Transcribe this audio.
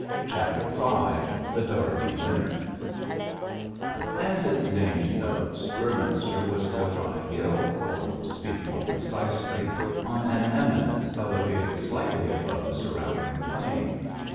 CHAPTER V THE DERBY WINNER As its name denotes, Beorminster was built on a hill, or, to speak more precisely, on an eminence elevated slightly above the surrounding plain.